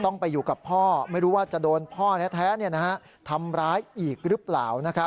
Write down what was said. ต้องไปอยู่กับพ่อไม่รู้ว่าจะโดนพ่อแท้ทำร้ายอีกหรือเปล่า